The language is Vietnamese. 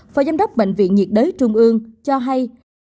bệnh viện bệnh nhiệt đới trung ương cho hay